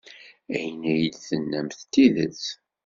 Ayen ay d-tennamt d tidet.